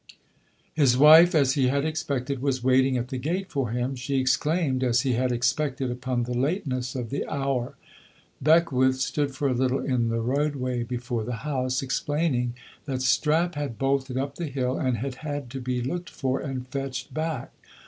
His wife, as he had expected, was waiting at the gate for him. She exclaimed, as he had expected, upon the lateness of the hour. Beckwith stood for a little in the roadway before the house, explaining that Strap had bolted up the hill and had had to be looked for and fetched back.